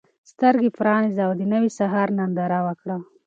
سترګې پرانیزه او د نوي سهار ننداره وکړه.